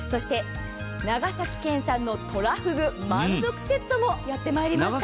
長崎県産のとらふぐ満足セットもやってまいりました。